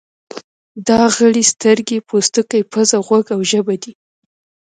دا غړي سترګې، پوستکی، پزه، غوږ او ژبه دي.